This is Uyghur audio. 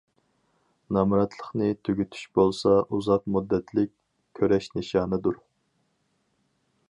نامراتلىقنى تۈگىتىش بولسا، ئۇزاق مۇددەتلىك كۈرەش نىشانىدۇر.